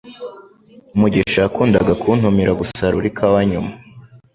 Mugisha yakundaga kuntumira gusarura ikawa nyuma